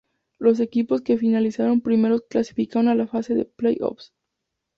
Los equipos que finalizaron primeros clasificaron a la fase de play-offs.